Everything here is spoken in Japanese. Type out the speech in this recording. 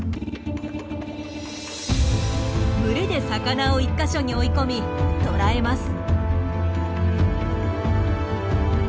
群れで魚を１か所に追い込み捕らえます。